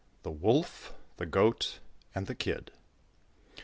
THE WOLF, THE GOAT, AND THE KID.